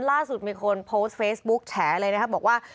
ล่าสุดมีคนโพสต์เฟซบุ๊กแฉเลยนะครับบอกว่า